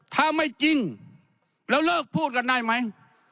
ถ้าไม่จริงแล้วเลิกพูดกันได้ไหม